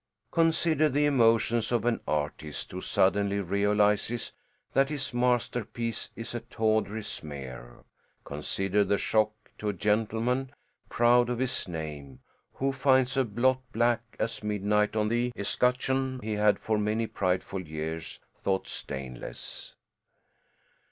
Consider the emotions of an artist who suddenly realizes that his masterpiece is a tawdry smear; consider the shock to a gentleman, proud of his name, who finds a blot black as midnight on the escutcheon he had for many prideful years thought stainless.